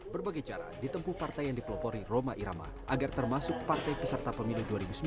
berbagai cara ditempuh partai yang dipelopori roma irama agar termasuk partai peserta pemilu dua ribu sembilan belas